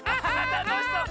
たのしそう。